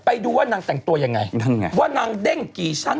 ไปดูว่านางแต่งตัวยังไงนั่นไงว่านางเด้งกี่ชั้น